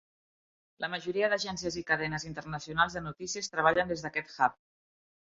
La majoria d'agències i cadenes internacionals de notícies treballen des d'aquest hub.